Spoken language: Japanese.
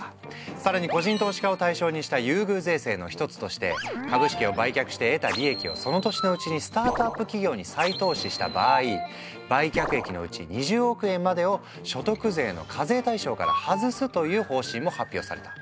更に個人投資家を対象にした優遇税制の一つとして株式を売却して得た利益をその年のうちにスタートアップ企業に再投資した場合売却益のうち２０億円までを所得税の課税対象から外すという方針も発表された。